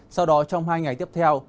sau đó trong hai ngày tiếp theo